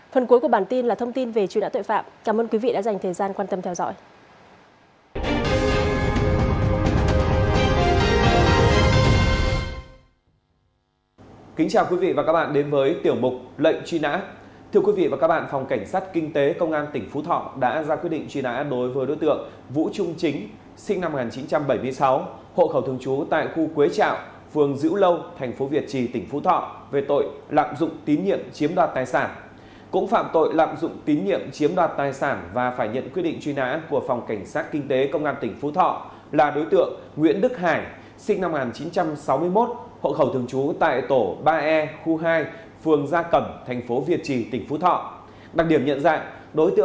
phần cuối của bản tin là thông tin về truy nã tội phạm cảm ơn quý vị đã dành thời gian quan tâm theo dõi